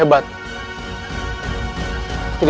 ini adalah orang yang meng closics